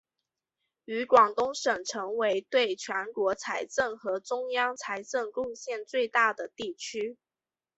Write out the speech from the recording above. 与广东省成为对全国财政和中央财政贡献最大的地区。